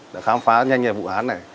đã khám phá nhanh nhanh vụ án này